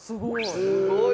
すごい。